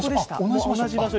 同じ場所？